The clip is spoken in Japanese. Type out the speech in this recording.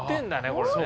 これね。